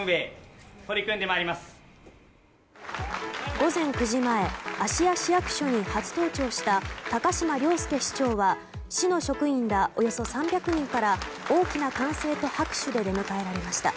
午前９時前芦屋市役所に初登庁した高島崚輔市長は、市の職員らおよそ３００人から大きな歓声と拍手で出迎えられました。